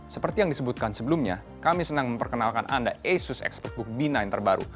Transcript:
seperti yang disebutkan sebelumnya kami senang memperkenalkan anda asus asperbook b sembilan terbaru